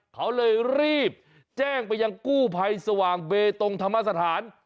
เขาเลยรีบแจ้งไปยังกู้ภัยสว่างเบตงธรรมสถาน